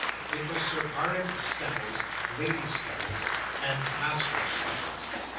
It was Sir Barnet Skettles, Lady Skettles, and Master Skettles.